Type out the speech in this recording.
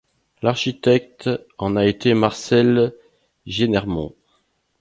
L'architecte en a été Marcel Génermont.